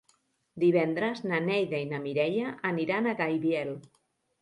Divendres na Neida i na Mireia aniran a Gaibiel.